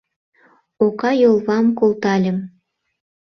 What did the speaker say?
Ока йолвам колтальым.